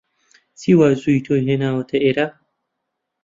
چی وا زوو تۆی هێناوەتە ئێرە؟